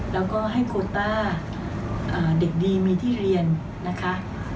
แล้วก็ให้โคต้าเด็กดีมีที่เรียนนะคะ